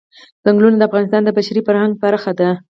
چنګلونه د افغانستان د بشري فرهنګ برخه ده.